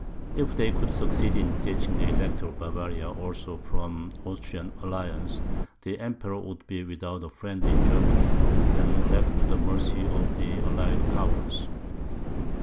If they could succeed in detaching the Elector of Bavaria also from the Austrian alliance, the Emperor would be without a friend in Germany and left to the mercy of the allied powers.